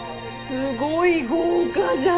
すごい豪華じゃん！